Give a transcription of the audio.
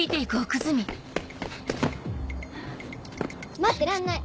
待ってらんない！